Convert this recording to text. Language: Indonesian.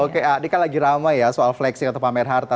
oke ini kan lagi ramai ya soal flexing atau pamer harta